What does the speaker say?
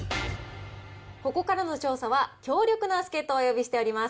ここからの調査は、強力な助っ人をお呼びしています。